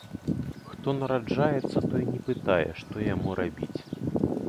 Хто нараджаецца, той не пытае, што яму рабіць.